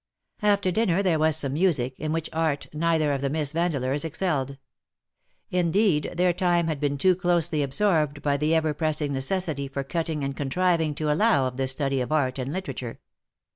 After dinner there was some music, in which art neither of the Miss Vandeleurs excelled. In deed,, their time had been too closely absorbed by the ever pressing necessity for cutting and con triving to allow of the study of art and literature.